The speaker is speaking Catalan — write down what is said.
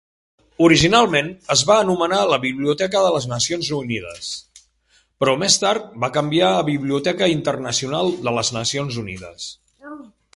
Originalment es va anomenar la Biblioteca de les Nacions Unides, però més tard va canviar a Biblioteca Internacional de les Nacions Unides.